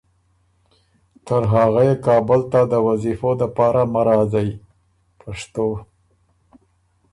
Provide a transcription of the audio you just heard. تر هغے کابل ته ده وظیفو د پاره مۀ راځئ